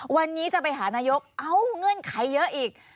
วันนี้จะไปหานายกเอ้าเงื่อนไขเยอะอีก